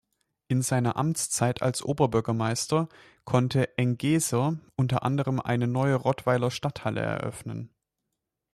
In seiner Amtszeit als Oberbürgermeister konnte Engeser unter anderem eine neue Rottweiler Stadthalle eröffnen.